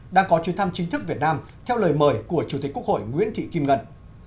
đang có chuyến thăm chính thức việt nam theo lời mời của chủ tịch quốc hội nguyễn thị kim ngân